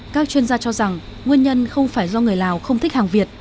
các chuyên gia cho rằng nguyên nhân không phải do người lào không thích hàng việt